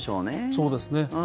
そうですね。